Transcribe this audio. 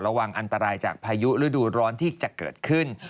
ระวังอันตรายจากพายุฤดูร้อนที่จะเกิดขึ้น